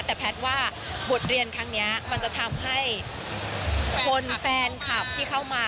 แต่แพทย์ว่าบทเรียนครั้งนี้มันจะทำให้คนแฟนคลับที่เข้ามา